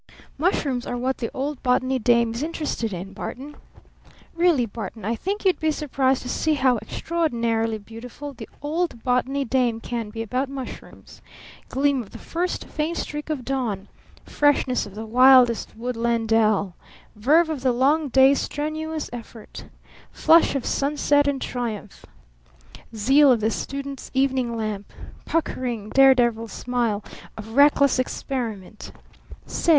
Mushrooms are what the old Botany dame is interested in, Barton. Really, Barton, I think you'd be surprised to see how extraordinarily beautiful the old Botany dame can be about mushrooms! Gleam of the first faint streak of dawn, freshness of the wildest woodland dell, verve of the long day's strenuous effort, flush of sunset and triumph, zeal of the student's evening lamp, puckering, daredevil smile of reckless experiment " "Say!